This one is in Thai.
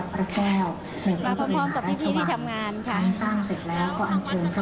ประมาณ๔โมงค่ะมาพร้อมกับพี่ที่ทำงานค่ะ